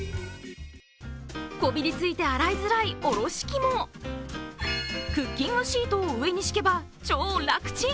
こびりついて洗いづらいおろし器もクッキングシートを下に敷けば超楽ちん。